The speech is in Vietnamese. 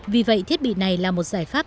vì vậy thiết bị này là một giải pháp